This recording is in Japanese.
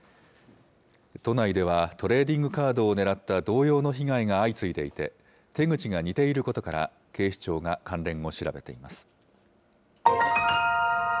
都内ではトレーディングカードを狙った同様の被害が相次いでいて、手口が似ていることから、警視庁が関連を調べています。